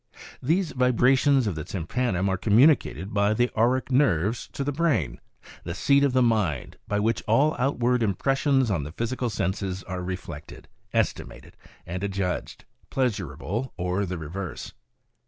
These vibrations of the tympanum are communicated by the auric nerves to the brain, the seat of the mind, by which all outward impressions on the physical senses are reflected, estimated and adjudged, pleasurable or the reverse.